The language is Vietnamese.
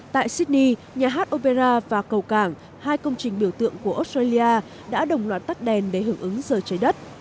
tại sydney nhà hát opera và cầu cảng hai công trình biểu tượng của australia đã đồng loạt tắt đèn để hưởng ứng giờ trái đất